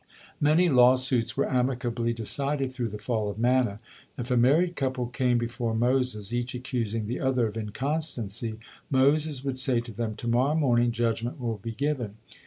Many lawsuits were amicably decided through the fall of manna. If a married couple came before Moses, each accusing the other of inconstancy, Moses would say to them, "To morrow morning judgement will be given."